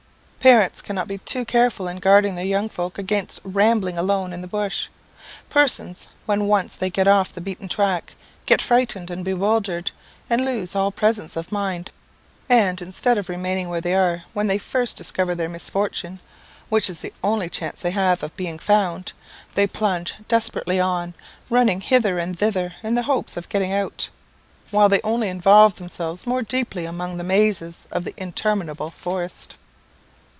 "Parents cannot be too careful in guarding their young folks against rambling alone in the bush. Persons, when once they get off the beaten track, get frightened and bewildered, and lose all presence of mind; and instead of remaining where they are when they first discover their misfortune which is the only chance they have of being found they plunge desperately on, running hither and thither, in the hope of getting out, while they only involve themselves more deeply among the mazes of the interminable forest.